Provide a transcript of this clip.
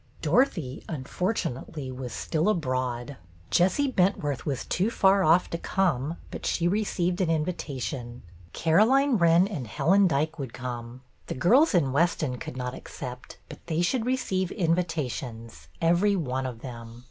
Dorothy, unfortunately, was still 3i6 BETTY BAIRD^S VENTURES abroad. Jessie Bentworth was too far off to come, but she received an invitation. Caroline Wren and Helen Dyke would come. The girls in Weston could not accept, but they should re ceive invitations, every one of them.